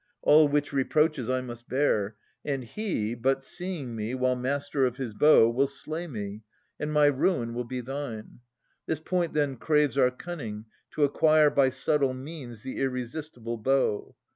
All which reproaches I must bear : and he, But seeing me, while master of his bow, Will slay me, and my ruin will be thine. This point then craves our cunning, to acquire By subtle means the irresistible bow.